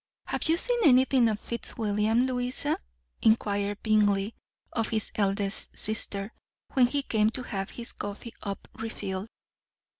"Have you seen anything of Fitzwilliam, Louisa?" inquired Bingley of his eldest sister, when he came to have his coffee cup refilled.